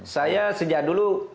saya sejak dulu